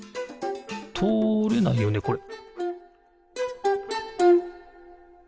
とおれないよねこれ？